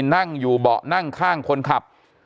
นั่งอยู่เบาะนั่งข้างคนขับ